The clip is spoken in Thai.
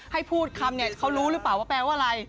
ให้พูดคำรู้หรือเปล่าว่าอะไร